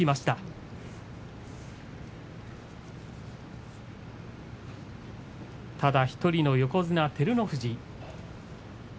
ただ１人の横綱照ノ富士。